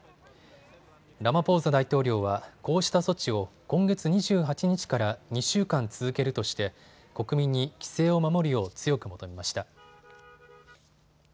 ラマポーザ大統領はこうした措置を今月２８日から２週間続けるとして国民に規制を守るよう強く求めました。